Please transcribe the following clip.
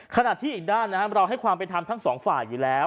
ขณะที่อีกด้านนะฮะเราให้ความไปทำทั้งสองฝ่ายอยู่แล้ว